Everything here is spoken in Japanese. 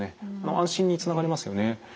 安心につながりますよね。